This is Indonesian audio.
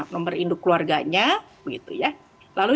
nomor induk keluarganya